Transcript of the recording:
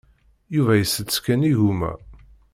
Yuba isett kan igumma.